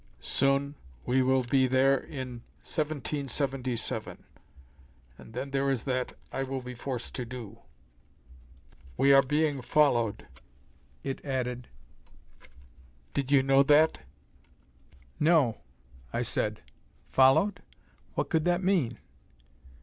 "Soon we will be there in 1777. And then there is that I will be forced to do. "We are being followed," it added. "Did you know that?" "No," I said. Followed? What could that mean?